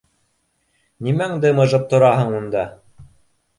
— Нимәңде мыжып тораһың унда!